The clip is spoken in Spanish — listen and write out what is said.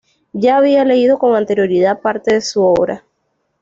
Ya había leído con anterioridad parte de su obra.